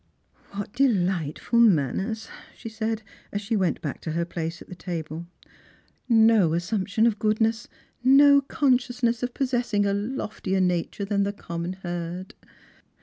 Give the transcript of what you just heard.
" What delightful manners !" she said, as she went back to her place at the table ;" no assumption of goodness, no con sciousness of possessing a loftier nature than the common herd."